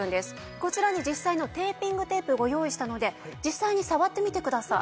こちらに実際のテーピングテープご用意したので実際に触ってみてください。